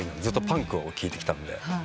ずっとパンクを聴いてきたんで。